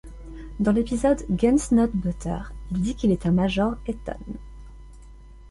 Dans l'épisode Guns Not Butter il dit qu'il est un major Eton.